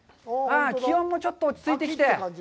気温もちょっと落ち着いてきて。